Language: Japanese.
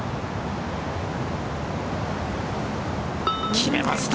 決めました！